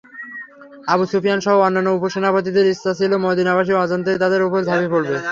আবু সুফিয়ানসহ অন্যান্য উপসেনাপতিদের ইচ্ছা ছিল মদীনাবাসীদের অজান্তেই তাদের উপর ঝাঁপিয়ে পড়বে।